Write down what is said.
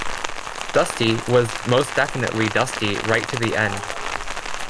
Dusty was most definitely Dusty right to the end.